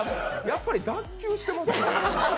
やっぱり脱臼してますね。